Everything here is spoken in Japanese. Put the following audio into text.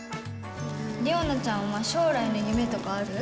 理央奈ちゃんは将来の夢とかある？